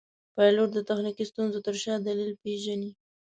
پیلوټ د تخنیکي ستونزو تر شا دلیل پېژني.